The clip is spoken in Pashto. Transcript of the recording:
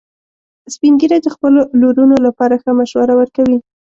سپین ږیری د خپلو لورونو لپاره ښه مشوره ورکوي